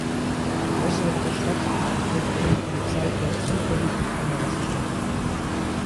Außerhalb der Stadt entdeckt ihn die Polizei eher zufällig auf einer Raststätte.